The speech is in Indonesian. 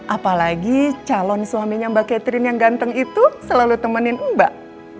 apalagi calon suaminya mbak catherine yang ganteng itu selalu temenin mbak